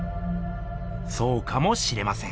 そうかもしれません。